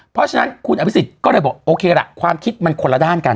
เพราะฉะนั้นคุณอภิษฎก็เลยบอกโอเคล่ะความคิดมันคนละด้านกัน